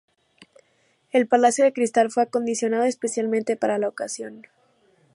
El Palacio de Cristal fue acondicionado especialmente para la ocasión.